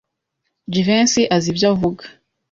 Jivency azi ibyo avuga.